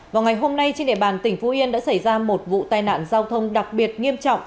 vào ngày hôm nay trên địa bàn tỉnh phú yên đã xảy ra một vụ tai nạn giao thông đặc biệt nghiêm trọng